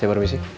sampai jumpa lagi